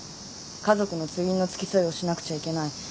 家族の通院の付き添いをしなくちゃいけない。